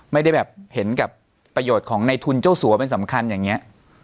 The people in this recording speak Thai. ไม่ได้แบบเห็นกับประโยชน์ของในทุนเจ้าสัวเป็นสำคัญอย่างนี้